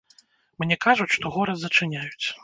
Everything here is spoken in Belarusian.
Мне кажуць, што горад зачыняюць.